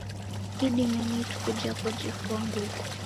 Idime ni ituku japo jefua nguw'o.